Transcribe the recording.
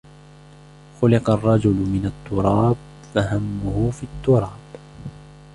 خُلِقَ الرَّجُلُ مِنْ التُّرَابِ فَهَمُّهُ فِي التُّرَابِ